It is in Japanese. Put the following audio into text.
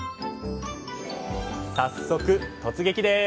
早速、突撃です。